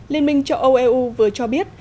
liên minh châu âu vừa cho biết